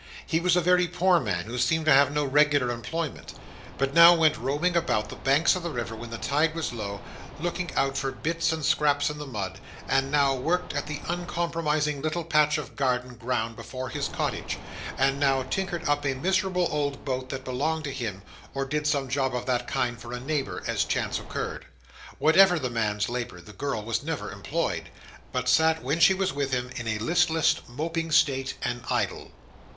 He was a very poor man, who seemed to have no regular employment, but now went roaming about the banks of the river when the tide was low, looking out for bits and scraps in the mud; and now worked at the unpromising little patch of garden ground before his cottage; and now tinkered up a miserable old boat that belonged to him; or did some job of that kind for a neighbour, as chance occurred. Whatever the man's labour, the girl was never employed; but sat, when she was with him, in a listless, moping state, and idle.